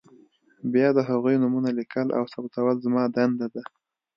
بیا د هغوی نومونه لیکل او ثبتول زما دنده ده.